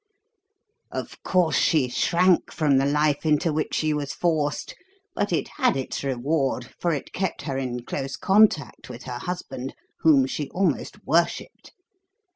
Of course she shrank from the life into which she was forced; but it had its reward, for it kept her in close contact with her husband, whom she almost worshipped.